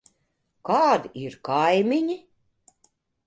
Kādi ir kaimiņi?